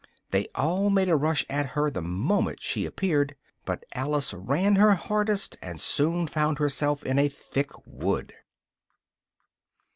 They all made a rush at her the moment she appeared, but Alice ran her hardest, and soon found herself in a thick wood.